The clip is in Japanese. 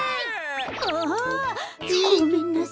あ！ごめんなさい。